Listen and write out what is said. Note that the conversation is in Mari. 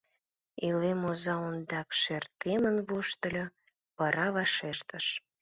Илем оза ондак шер темын воштыльо, вара вашештыш: